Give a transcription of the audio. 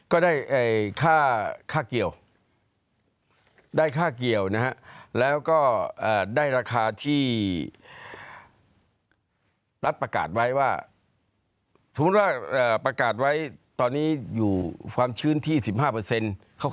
ก็ได้ค่าเกี่ยวแล้วก็ได้ราคาที่รัฐประกาศไว้ว่าสมมุติว่าประกาศไว้ตอนนี้อยู่ความชื้นที่๒๕ขาว